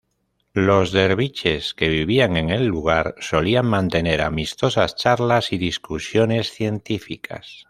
Los derviches que vivían en el lugar solían mantener amistosas charlas y discusiones científicas.